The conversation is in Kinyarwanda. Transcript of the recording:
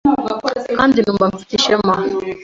kandi numva mfite ishema